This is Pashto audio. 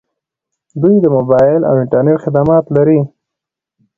دوی د موبایل او انټرنیټ خدمات لري.